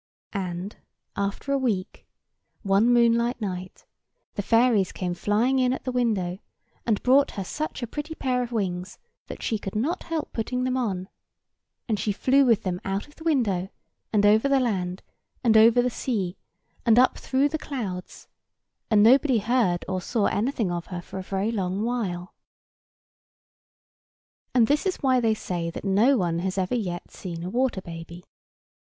And, after a week, one moonlight night, the fairies came flying in at the window and brought her such a pretty pair of wings that she could not help putting them on; and she flew with them out of the window, and over the land, and over the sea, and up through the clouds, and nobody heard or saw anything of her for a very long while. And this is why they say that no one has ever yet seen a water baby.